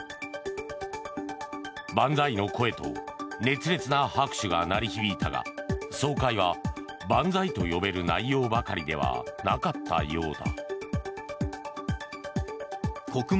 万歳の声と熱烈な拍手が鳴り響いたが総会は万歳と呼べる内容ばかりではなかったようだ。